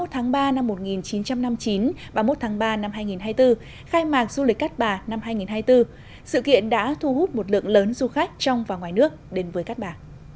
hai mươi tháng ba năm một nghìn chín trăm năm mươi chín ba mươi một tháng ba năm hai nghìn hai mươi bốn khai mạc du lịch cát bà năm hai nghìn hai mươi bốn sự kiện đã thu hút một lượng lớn du khách trong và ngoài nước đến với cát bà